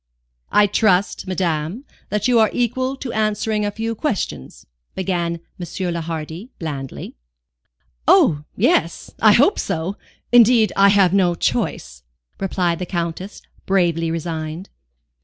"I trust, madame, that you are equal to answering a few questions?" began M. le Hardi, blandly. "Oh, yes, I hope so. Indeed, I have no choice," replied the Countess, bravely resigned.